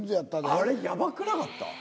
あれヤバくなかった？